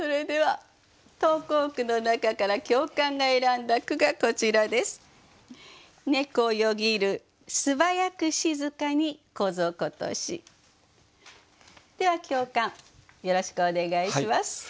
では教官よろしくお願いします。